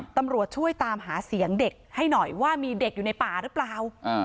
ตำรวจช่วยตามหาเสียงเด็กให้หน่อยว่ามีเด็กอยู่ในป่าหรือเปล่า